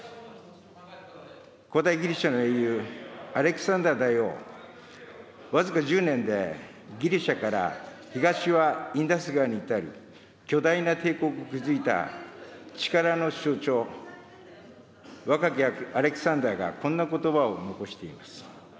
古代ギリシャの英雄、アレクサンダー大王、僅か１０年でギリシャから東はインダス河に至る巨大な帝国を築いた力の象徴、若きアレクサンダーがこんなことばを残しています。